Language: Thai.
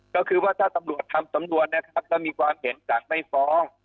ก็คือว่าถ้าตำรวจทำสำนวนนะครับแล้วมีความเห็นสั่งไม่ฟ้อง